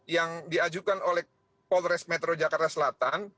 yang diajukan oleh polres metro jakarta selatan